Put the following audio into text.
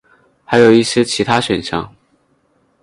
还有一些其他选项。